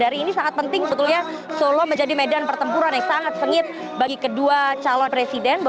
jadi ini sangat penting sebetulnya solo menjadi medan pertempuran yang sangat sengit bagi kedua calon presiden